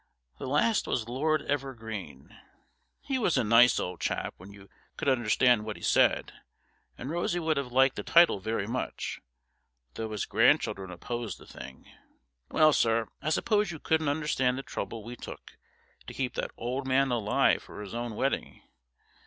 The last was Lord Evergreen. He was a nice old chap when you could understand what he said, and Rosie would have liked the title very much, though his grandchildren opposed the thing. Well, sir, I suppose you couldn't understand the trouble we took to keep that old man alive for his own wedding.